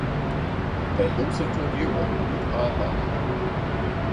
They have also toured Europe with a-ha.